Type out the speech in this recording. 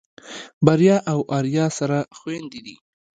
بريا او آريا سره خويندې دي.